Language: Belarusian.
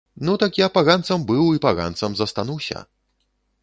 Ну так я паганцам быў і паганцам застануся!